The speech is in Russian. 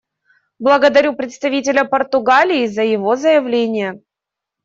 Благодарю представителя Португалии за его заявление.